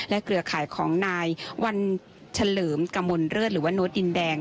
เครือข่ายของนายวันเฉลิมกมลเลิศหรือว่าโน้ตดินแดง